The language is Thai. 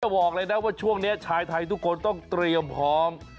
บอกเลยนะว่าช่วงนี้ชายไทยทุกคนต้องเตรียมพร้อม